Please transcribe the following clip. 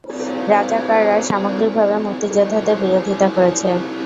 রাজাকাররা সামগ্রিকভাবে মুক্তিযোদ্ধাদের বিরোধিতা করেছে।